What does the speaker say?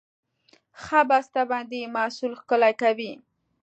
ښه بسته بندي محصول ښکلی کوي.